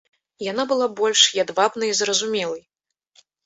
Яна была больш ядвабнай і зразумелай.